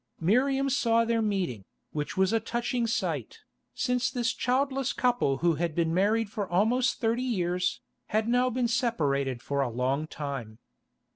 Miriam saw their meeting, which was a touching sight, since this childless couple who had been married for almost thirty years, had now been separated for a long time.